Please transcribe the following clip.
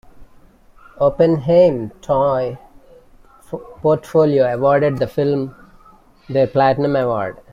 Oppenheim Toy Portfolio awarded the film their platinum award.